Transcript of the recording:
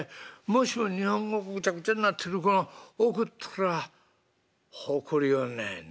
もしも日本語ぐちゃぐちゃになってるもの送ったら怒りよんねん。